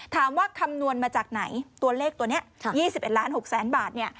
ถามว่าคำนวณมาจากไหนตัวเลขตัวนี้๒๑๖๐๐๐๐๐บาท